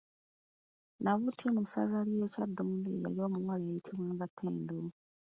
Nabuti mu ssaza lye Kyaddondo ye yali omuwala eyayitibwanga Ttendo.